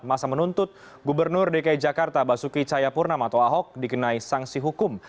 masa menuntut gubernur dki jakarta basuki cayapurnam atau ahok dikenai sanksi hukum